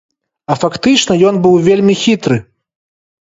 А фактычна ён быў вельмі хітры.